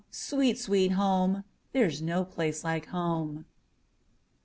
sweet, sweet home! There 's no place like home!